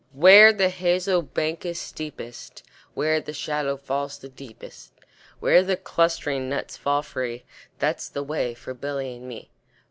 Where the hazel bank is steepest, Where the shadow falls the deepest, Where the clustering nuts fall free, That's the way for Billy and me.